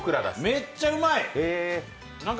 めっちゃうまい。